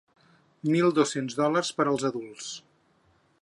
Mil dos-cents dòlars per als adults.